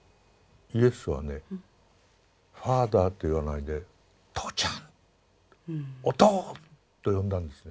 イエスはねファーザーと言わないで「とうちゃん」「おとう」と呼んだんですね。